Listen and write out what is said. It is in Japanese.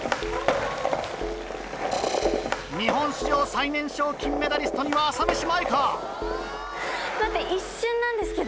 日本史上最年少金メダリストには朝飯前か？